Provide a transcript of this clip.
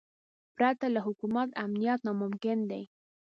پرته له حکومت امنیت ناممکن دی.